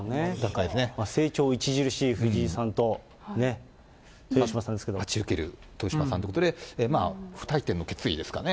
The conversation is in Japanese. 成長著しい藤井さんとね、待ち受ける豊島さんということで、不退転の決意ですかね。